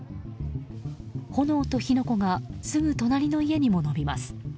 炎と火の粉がすぐ隣の家にも延びます。